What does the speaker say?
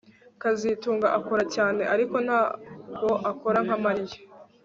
kazitunga akora cyane ariko ntabwo akora nka Mariya